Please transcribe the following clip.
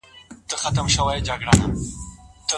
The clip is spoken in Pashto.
آیا د آيتونو د نازلېدو سببونه معلوم دي؟